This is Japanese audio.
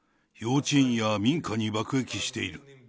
幼稚園や民家に爆撃している。